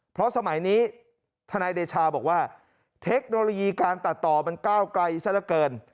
เพราะสมัยนี้ทนายเดชาบอกว่าเทคโนโลยีการตัดต่อมันก้าวไกลซะละเกิน